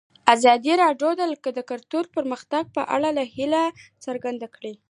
ازادي راډیو د کلتور د پرمختګ په اړه هیله څرګنده کړې.